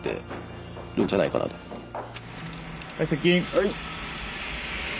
はい！